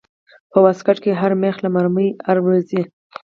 په واسکټ کښې هر مېخ لکه مرمۍ الوزي.